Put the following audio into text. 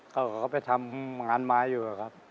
เขาก็ไปทำงานไม้อยู่ครับ